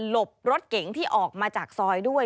บรถเก๋งที่ออกมาจากซอยด้วย